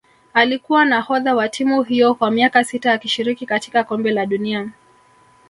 Alikuwa nahodha wa timu hiyo kwa miaka sita akishiriki katika kombe la dunia